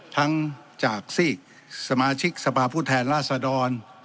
ทั้งจากซีกสมาชิกสภาพผู้แทนราษดร